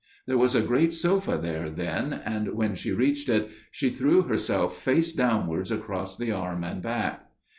There was a great sofa there then, and when she reached it she threw herself face downwards across the arm and back.